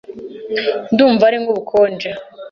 Ndumva ari nk'ubukonje.